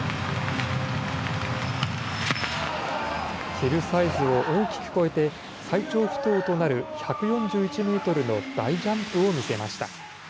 ヒルサイズを大きく超えて、最長不倒となる、１４１メートルの大ジャンプを見せました。